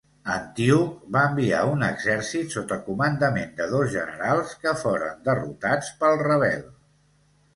Antíoc va enviar un exèrcit sota comandament de dos generals, que foren derrotats pel rebel.